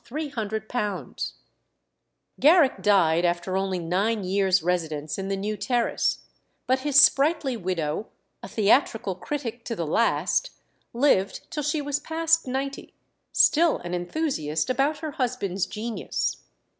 Garrick died after only nine years' residence in the new terrace; but his sprightly widow, a theatrical critic to the last, lived till she was past ninety, still an enthusiast about her husband's genius.